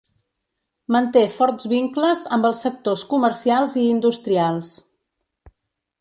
Manté forts vincles amb els sectors comercials i industrials.